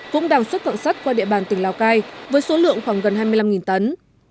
cũng đang xuất khẩu sắt qua địa bàn tỉnh lào cai với số lượng khoảng gần hai mươi năm tấn